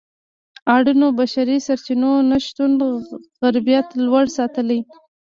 د اړینو بشري سرچینو نشتون غربت لوړ ساتلی.